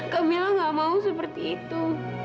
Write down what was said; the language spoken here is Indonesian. kamila nggak mau seperti itu